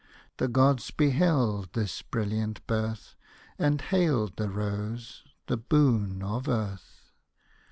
The gods beheld this brilliant birth, And hailed the Rose, the boon of earth